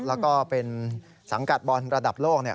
แล้วก็เป็นสังกัดบอลระดับโลก